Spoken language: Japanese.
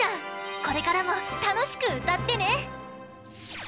これからもたのしくうたってね！